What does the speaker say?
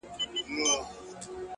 وخت د ضایع شوو فرصتونو غږ نه اوري